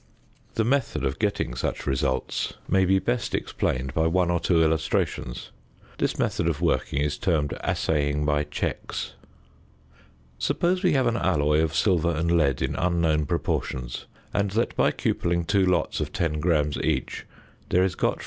The method of getting such results may be best explained by one or two illustrations. This method of working is termed "assaying by checks." Suppose we have an alloy of silver and lead in unknown proportions and that by cupelling two lots of 10 grams each there is got from I.